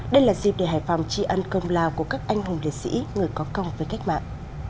đây là dịp để hải phòng tri ân công lao của các anh hùng liệt sĩ người có công với cách mạng